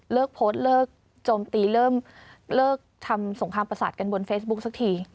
เลิกโพสต์เลิกโจมตีเลิกทำสงครามประสาทกันบนเฟซบุ๊กซักที